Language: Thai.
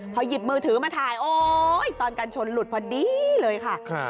พอหยิบมือถือมาถ่ายโอ๊ยตอนกันชนหลุดพอดีเลยค่ะ